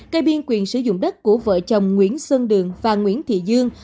cây biên quyền sử dụng đất của vợ chồng nguyễn xuân đường và nguyễn thị dương